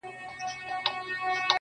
چا ویل دا چي، ژوندون آسان دی.